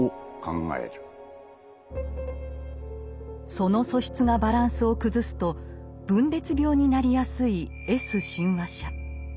その素質がバランスを崩すと分裂病になりやすい「Ｓ親和者」。